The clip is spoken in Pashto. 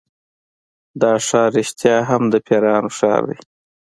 دا ښار رښتیا هم د پیریانو ښار دی.